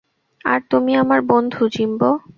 আর তুমি আমার বন্ধু, জিম্বো।